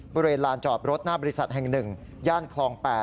บริเวณลานจอดรถหน้าบริษัทแห่ง๑ย่านคลอง๘